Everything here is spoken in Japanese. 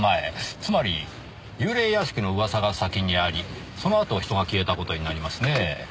つまり幽霊屋敷の噂が先にありそのあと人が消えた事になりますねぇ。